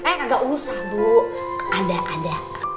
eh gak usah bu ada ada